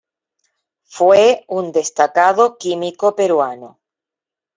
Fue un destacado químico peruano.